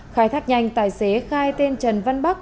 khai thác nhanh tài xế khai tên trần văn bắc